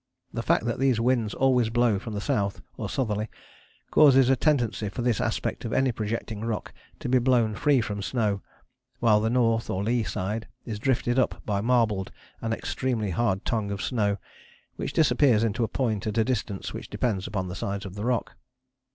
The fact that these winds always blow from the south, or southerly, causes a tendency for this aspect of any projecting rock to be blown free from snow, while the north or lee side is drifted up by a marbled and extremely hard tongue of snow, which disappears into a point at a distance which depends upon the size of the rock.